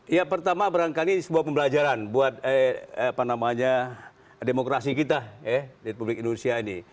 ya pertama berangkali sebuah pembelajaran buat demokrasi kita ya di republik indonesia ini